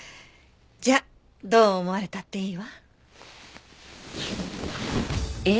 じゃあどう思われたっていいわ。